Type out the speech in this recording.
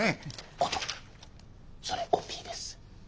校長それコピーです。